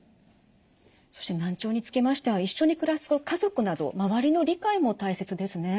そして難聴につきましては一緒に暮らす家族など周りの理解も大切ですね。